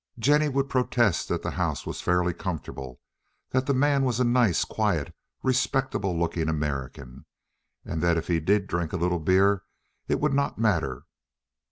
Jennie would protest that the house was fairly comfortable, that the man was a nice, quiet, respectable looking American—that if he did drink a little beer it would not matter.